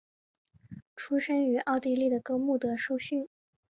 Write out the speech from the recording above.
出生于奥地利的哥穆德受训。